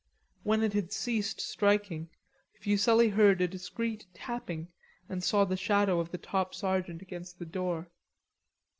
When it had ceased striking, Fuselli heard a discreet tapping and saw the shadow of the top sergeant against the door.